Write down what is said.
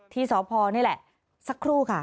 ที่สพนี่แหละสักครู่ค่ะ